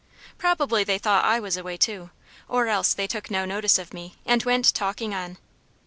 Probably they thought I was away too or else they took no notice of me and went talking on.